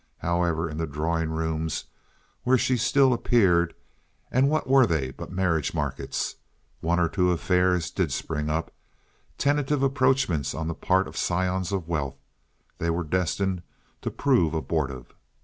However, in the drawing rooms where she still appeared—and what were they but marriage markets?—one or two affairs did spring up—tentative approachments on the part of scions of wealth. They were destined to prove abortive.